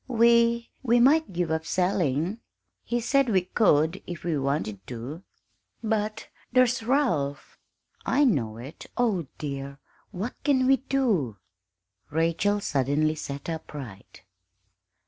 "We we might give up selling he said we could if we wanted to." "But there's Ralph!" "I know it. Oh, dear what can we do?" Rachel suddenly sat upright.